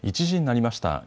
１時になりました。